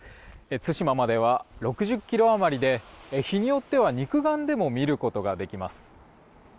対馬までは６０ｋｍ余りで日によっては肉眼でも見ることができます。